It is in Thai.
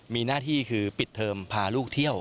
มีหน้าที่คือปิดเทอมพาลูกเที่ยว